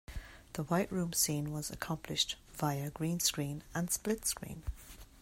The "White Room" scene was accomplished via greenscreen and split screen.